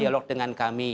ayo berbual dengan kami